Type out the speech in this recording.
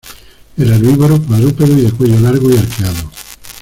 Era herbívoro, cuadrúpedo y de cuello largo y arqueado.